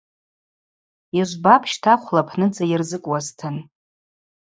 Йыжвбапӏ щта хъвлапныдза йырзыкӏуазтын.